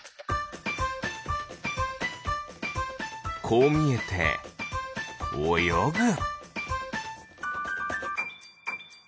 こうみえておよぐ。